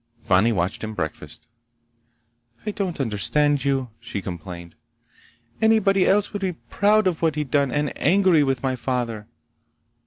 Fani watched him breakfast. "I don't understand you," she complained. "Anybody else would be proud of what he'd done and angry with my father.